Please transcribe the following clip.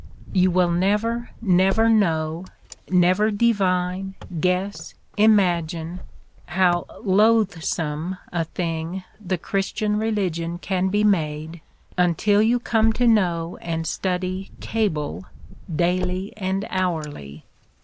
— "You wiU never, never know, never divine, guess, imagine, how loathsome a thing the Christian religion can be made until you come to know and study Cable daily and hourly.